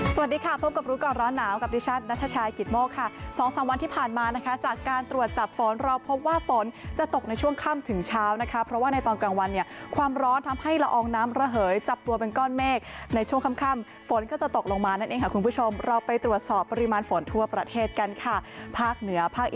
สวัสดีค่ะพบกับรู้ก่อนร้อนหนาวกับดิฉันนัทชายกิตโมกค่ะสองสามวันที่ผ่านมานะคะจากการตรวจจับฝนเราพบว่าฝนจะตกในช่วงค่ำถึงเช้านะคะเพราะว่าในตอนกลางวันเนี่ยความร้อนทำให้ละอองน้ำระเหยจับตัวเป็นก้อนเมฆในช่วงค่ำฝนก็จะตกลงมานั่นเองค่ะคุณผู้ชมเราไปตรวจสอบปริมาณฝนทั่วประเทศกันค่ะภาคเหนือภาค